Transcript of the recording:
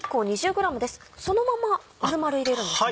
そのまま丸々入れるんですね。